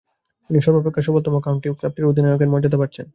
তিনি সর্বাপেক্ষা সফলতম কাউন্টি ক্লাবটির অধিনায়কের মর্যাদা পাচ্ছেন।